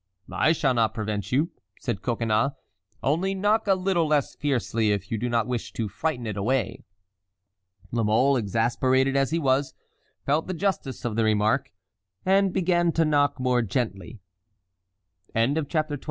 "I shall not prevent you," said Coconnas, "only knock a little less fiercely if you do not wish to frighten it away." La Mole, exasperated as he was, felt the justice of the remark, and began to knock more gently. CHAPTER XXV.